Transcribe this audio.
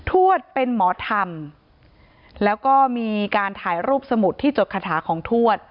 ทวดเป็นหมอธรรมแล้วก็มีการถ่ายรูปสมุดที่จดคาถาของทวด